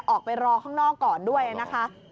ออกไปรอข้างนอกก่อนด้วยนะคะ